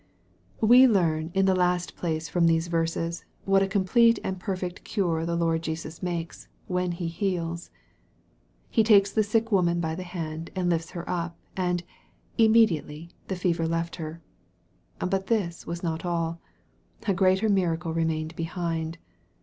We learn, in the last place, from these verses, what a complete and perfect cure the Lord Jesus makes, when He heals. He takes the sick woman by the hand, and lifts her up, and " immediately the fever left her." But this was not all. A greater miracle remained behind.